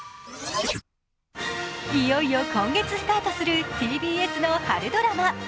いよいよ今月スタートするＴＢＳの春ドラマ。